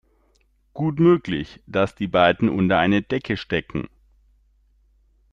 Gut möglich, dass die beiden unter einer Decke stecken.